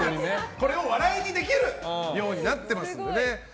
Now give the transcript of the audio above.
これを笑いにできるようになってます。